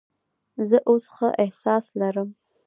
زه اوس ښه احساس لرم.